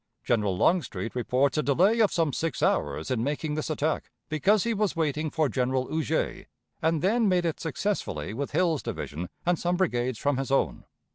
General Longstreet reports a delay of some six hours in making this attack, because he was waiting for General Huger, and then made it successfully with Hill's division and some brigades from his own.